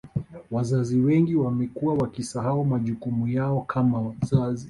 Wazazi wengi wamekuwa wakisahau majukumu yao kama wazazi